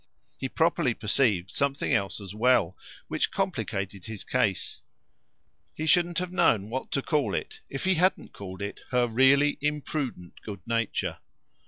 He properly perceived something else as well, which complicated his case; he shouldn't have known what to call it if he hadn't called it her really imprudent good nature.